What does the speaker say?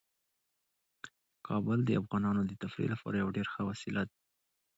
کابل د افغانانو د تفریح لپاره یوه ډیره ښه وسیله ده.